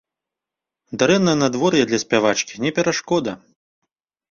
Дрэннае надвор'е для спявачкі не перашкода.